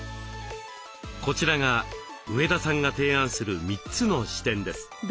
こちらが上田さんが提案する３つの視点です。